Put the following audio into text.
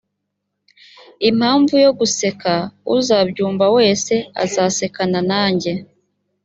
impamvu yo guseka uzabyumva wese azasekana nanjye